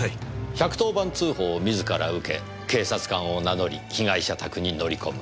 １１０番通報を自ら受け警察官を名乗り被害者宅に乗り込む。